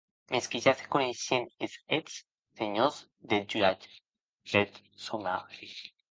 Mès que ja coneishetz es hèts, senhors deth jurat, peth somari.